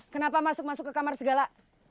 kenapa masuk masuk ke kamar segala